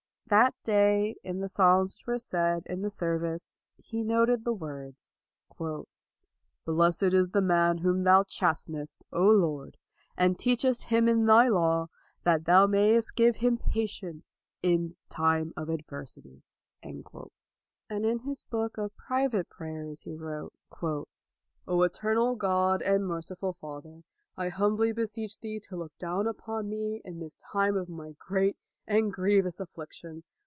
That day in the psalms which were said in the service he noted the words: " Blessed is the man whom thou chastenest, 230 LAUD O Lord, and teachest him in thy law, that them mayest give him patience in time of adversity.'' And in his book of private prayers he wrote: "O eternal God and merciful Father, I humbly beseech thee to look down upon me in this time of my great and grievous affliction.